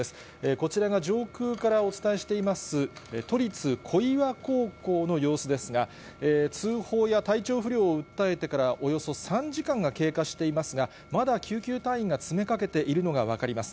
こちらが上空からお伝えしています、都立小岩高校の様子ですが、通報や体調不良を訴えてからおよそ３時間が経過していますが、まだ救急隊員が詰めかけているのが分かります。